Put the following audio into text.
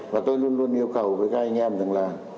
và tôi luôn luôn yêu cầu với các anh em rằng là